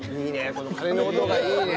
この鐘の音がいいね！